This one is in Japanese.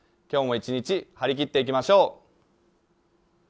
今日も一日、張り切っていきましょう。